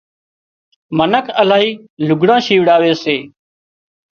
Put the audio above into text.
منک الاهي لگھڙان شيوڙاوي سي